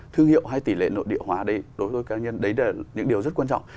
thương hiệu hay tỷ lệ nội địa hóa đấy đối với tôi cá nhân đấy là những điều rất quan trọng